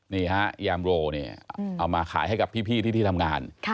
นี่ฮะยามโรเนี่ยเอามาขายให้กับพี่ที่ทำงาน